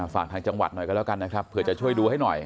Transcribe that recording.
ฝากทางจังหวัดหน่อยก็แล้วกันนะครับเผื่อจะช่วยดูให้หน่อย